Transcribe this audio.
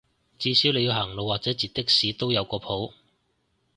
至少你要行路或者截的士都有個譜